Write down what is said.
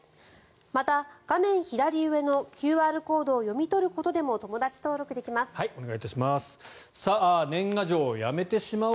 また、画面左上のＱＲコードを読み取ることでもお願いいたします。